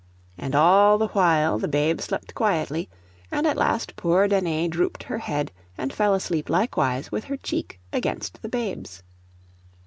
And all the while the babe slept quietly; and at last poor Danae drooped her head and fell asleep likewise with her cheek against the babe's.